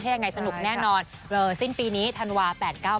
ใช่ไงสนุกแน่นอนเวอร์สิ้นปีนี้ธันวาคมแปดเก้า